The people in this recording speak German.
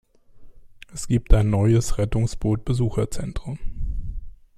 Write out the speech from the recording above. Es gibt ein neues Rettungsboot-Besucherzentrum.